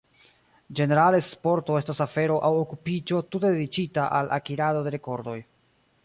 Ĝenerale sporto estas afero aŭ okupiĝo tute dediĉita al akirado de rekordoj.